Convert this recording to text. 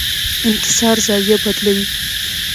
انکسار زاویه بدلوي.